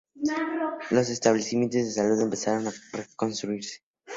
Los establecimientos de salud empezaron a construirse.